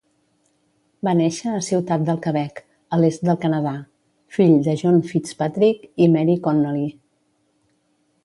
Va néixer a Ciutat del Quebec, a l'est del Canadà, fill de John Fitzpatrick i Mary Connolly.